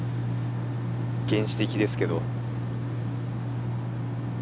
原始的ですけど。